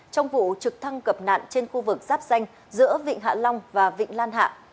trong vụ trực thăng cập nạn trên khu vực giáp danh giữa vịnh hạ long và vịnh lan hạ